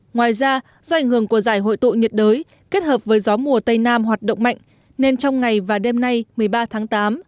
ngoài ra do ảnh hưởng của giải hội tụ nhiệt đới kết hợp với gió mùa tây nam hoạt động mạnh nên trong ngày và đêm nay một mươi ba tháng tám